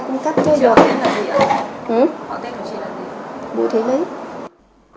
đến pháp lý của tổng hợp